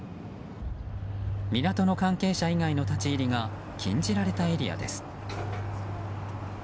港の関係者以外の立ち入りが禁じられたエリアです。